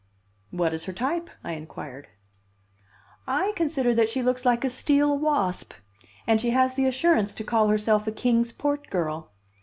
"What is her type?" I inquired. "I consider that she looks like a steel wasp. And she has the assurance to call herself a Kings Port girl.